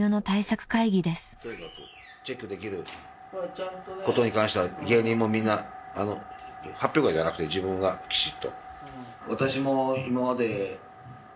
チェックできることに関しては芸人もみんな発表会じゃなくて自分がきちっと。